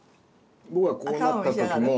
僕はこうなった時も。